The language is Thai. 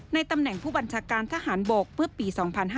ตำแหน่งผู้บัญชาการทหารบกเมื่อปี๒๕๕๙